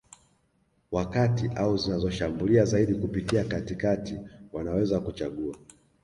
wa kati au zinazoshambulia zaidi kupitia katikati wanaweza kuchagua